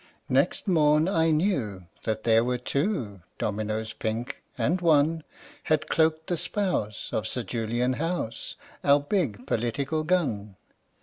Next morn I knew that there were two Dominoes pink, and one Had cloaked the spouse of Sir Julian House, Our big Political gun.